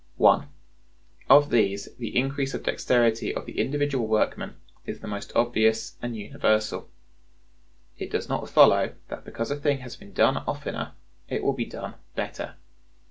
(1.) Of these, the increase of dexterity of the individual workman is the most obvious and universal. It does not follow that because a thing has been done oftener it will be done better.